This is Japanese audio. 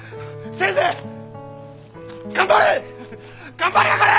頑張りやがれ！